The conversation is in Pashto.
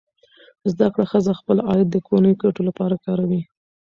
زده کړه ښځه خپل عاید د کورنۍ ګټو لپاره کاروي.